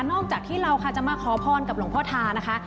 ที่เราค่ะจะมาขอพรกับหลวงพ่อทานะคะ